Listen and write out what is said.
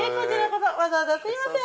わざわざすいません。